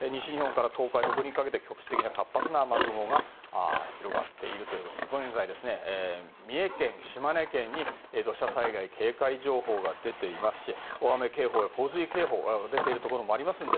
西日本から東海、北陸にかけて局地的に活発な雨雲が広がっているということで三重県、島根県に土砂災害警戒情報が出ていますし大雨警報や洪水警報が出ているところもありますし